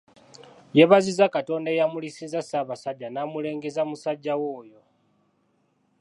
Yeebazizza Katonda eyamulisiza Ssabasajja naamulengeza musajjawe oyo.